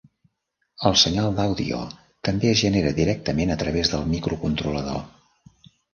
El senyal d'àudio també es genera directament a través del microcontrolador.